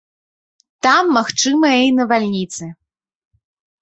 Там магчымыя і навальніцы.